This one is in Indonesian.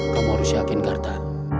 kamu harus yakin karta